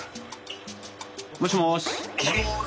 もしもし。